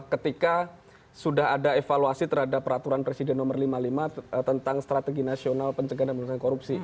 ketika sudah ada evaluasi terhadap peraturan presiden nomor lima puluh lima tentang strategi nasional pencegahan dan pemerintahan korupsi